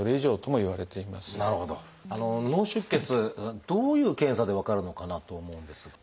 脳出血どういう検査で分かるのかなと思うんですが。